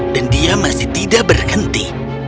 dan dia masih tidak berhenti